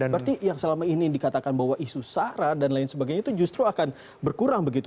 berarti yang selama ini dikatakan bahwa isu sahra dan lain sebagainya itu justru akan berkurang begitu